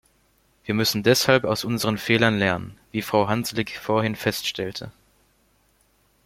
Wir müssen deshalb aus unseren Fehlern lernen, wie Frau Handzlik vorhin feststellte.